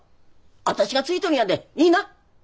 私がついとるんやでいいな？